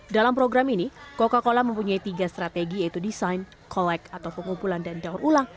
dalam program ini coca cola mempunyai tiga strategi yaitu desain collect atau pengumpulan dan daur ulang